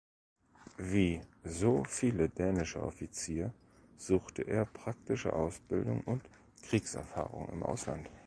Wie so viele dänische Offizier suchte er praktische Ausbildung und Kriegserfahrung im Ausland.